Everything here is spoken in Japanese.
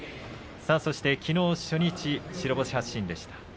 きのう初日、白星発進でした。